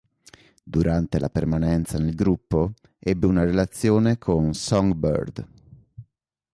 Durante la permanenza nel gruppo, ebbe una relazione con Songbird.